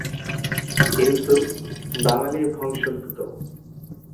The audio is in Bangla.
ইউসুফ, বাঙ্গালী বংশোদ্ভূত।